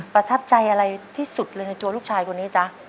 ประทับใจอะไรที่สุดเลยในตัวลูกชายคนนี้จ๊ะ